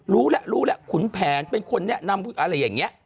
รู้แล้วรู้แล้วขุนแผนเป็นคนแนะนำอะไรอย่างนี้